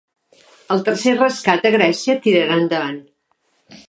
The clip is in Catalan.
El tercer rescat a Grècia tirarà endavant